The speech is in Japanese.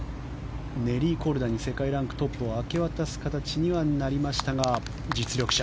ネリー・コルダに世界ランクトップを明け渡す形にはなりましたが実力者。